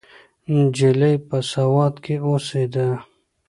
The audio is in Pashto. نجلۍ په سوات کې اوسیده.